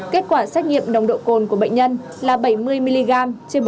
kết quả xét nghiệm nồng độ cồn của bệnh nhân là bảy mươi mg trên một trăm linh mg